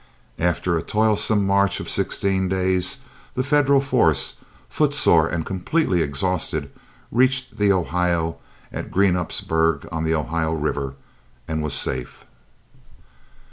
After a toilsome march of sixteen days, the Federal force, footsore and completely exhausted, reached the Ohio at Greenupsburg on the Ohio River, and was safe.